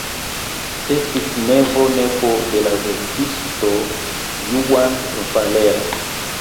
Estis nevo-nepo de la verkisto Juan Valera.